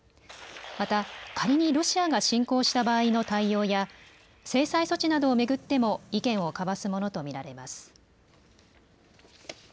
また、仮にロシアが侵攻した場合の対応や制裁措置などを巡っても意見を交わすものと見られます。